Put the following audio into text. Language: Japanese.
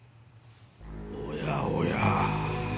おやおや。